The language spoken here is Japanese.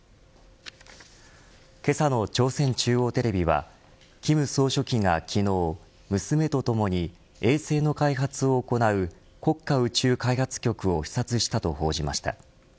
けさの朝鮮中央テレビは金総書記が昨日娘とともに衛星の開発を行う国家宇宙開発局を視察したと報じました。